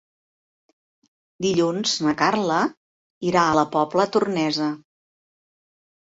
Dilluns na Carla irà a la Pobla Tornesa.